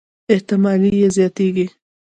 احتمالي یې زياتېږي.